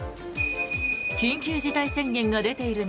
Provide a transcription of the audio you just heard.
緊急事態宣言が出ている中